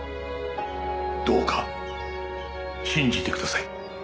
どうか信じてください。